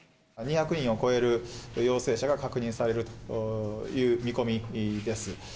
２００人を超える陽性者が確認されるという見込みです。